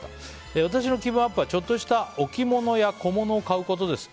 私の気分アップはちょっとした置き物や小物を買うことです。